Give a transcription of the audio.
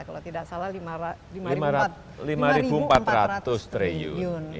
kalau tidak salah empat ratus triliun